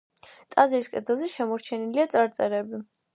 ტაძარის კედელზე შემორჩენილია წარწერები.